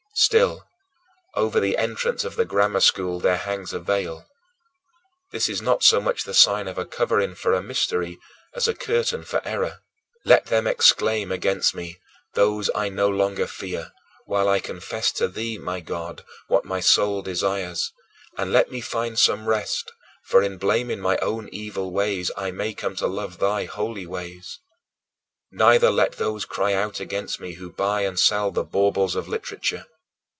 Still, over the entrance of the grammar school there hangs a veil. This is not so much the sign of a covering for a mystery as a curtain for error. Let them exclaim against me those I no longer fear while I confess to thee, my God, what my soul desires, and let me find some rest, for in blaming my own evil ways I may come to love thy holy ways. Neither let those cry out against me who buy and sell the baubles of literature.